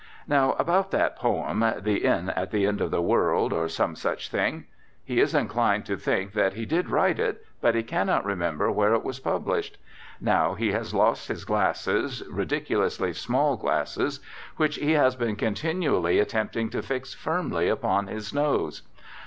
Now about that poem, "The Inn at the End of the World," or some such thing. He is inclined to think that he did write it, but he cannot remember where it was published. Now he has lost his glasses, ridiculously small glasses, which he has been continually attempting to fix firmly upon his nose.